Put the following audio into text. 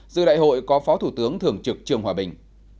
dự đại hội có phó thủ tướng thường trực trường hòa bình